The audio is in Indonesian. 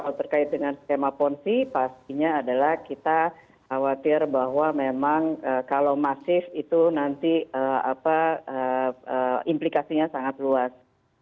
kalau terkait dengan skema ponzi pastinya adalah kita khawatir bahwa memang kalau masif itu nanti implikasinya sangat luas